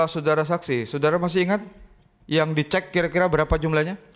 saudara saksi saudara masih ingat yang dicek kira kira berapa jumlahnya